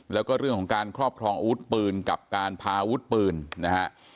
แล้วก็เรื่องของการครอบครองอาวุธปืนกับการพาอาวุธปืนนะฮะ